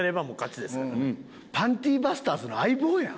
パンティバスターズの相棒やん。